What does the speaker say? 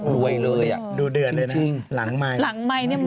แบบรวยเลยอะจริงหลังไมค์นี่มันใช่มั้ยดูสิจริง